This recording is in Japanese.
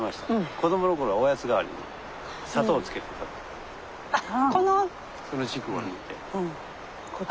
子どもの頃はおやつ代わりに砂糖つけて食べてた。